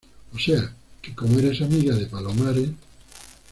o sea, que como eres amiga de Palomares